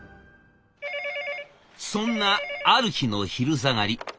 そんなある日の昼下がり。